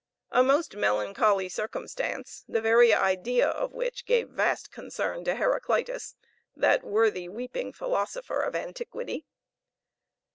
A most melancholy circumstance, the very idea of which gave vast concern to Heraclitus, that worthy weeping philosopher of antiquity.